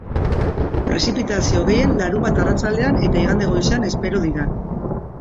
Prezipitazio gehien larunbat arratsaldean eta igande goizean espero dira.